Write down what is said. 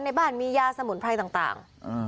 ในบ้านมียาสมุนไพรต่าง